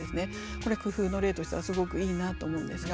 これ工夫の例としてはすごくいいなと思うんですが。